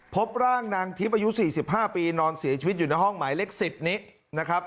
พบร่างนางทิพย์อายุ๔๕ปีนอนเสียชีวิตอยู่ในห้องหมายเลข๑๐นี้นะครับ